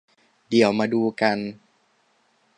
เดี๋ยวมาดูกัน